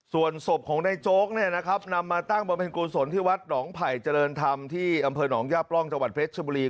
ส่วนศพของนายโจ๊กเนี่ยนะครับนำมาตั้งบำเพ็ญกุศลที่วัดหนองไผ่เจริญธรรมที่อำเภอหนองย่าปล้องจังหวัดเพชรชบุรี